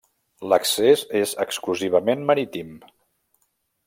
L'accés és exclusivament marítim.